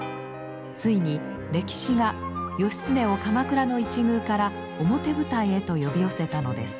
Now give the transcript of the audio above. ついに歴史が義経を鎌倉の一隅から表舞台へと呼び寄せたのです。